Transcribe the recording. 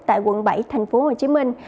tại quận bảy tp hcm